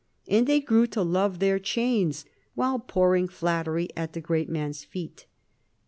And they grew to love their chains, while pouring flattery at the great man's feet.